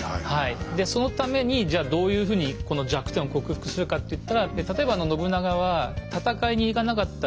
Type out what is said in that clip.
そのためにじゃどういうふうにこの弱点を克服するかっていったら例えば信長は戦いに行かなかった部下